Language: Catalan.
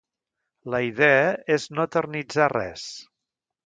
La idea és no eternitzar res.